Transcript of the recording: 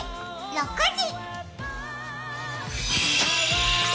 ６時！